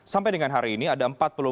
sampai dengan hari ini ada empat puluh lima